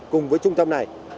cùng với trung tâm này